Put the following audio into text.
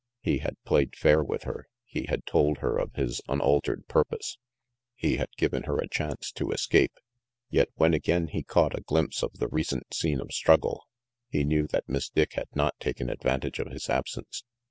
He had played fair with her. He had told her of his unaltered purpose. He had given her a chance to escape. Yet when again he caught a glimpse of the recent scene of struggle, he knew that Miss Dick had not taken advantage of his absence.